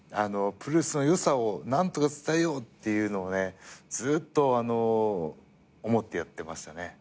プロレスの良さを何とか伝えようっていうのをねずっと思ってやってましたね。